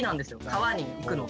川に行くのが。